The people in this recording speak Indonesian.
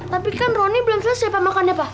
tapi kan roni belum selesai ngemakannya pak